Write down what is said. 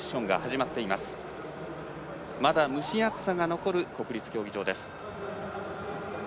まだ蒸し暑さが残る国立競技場です。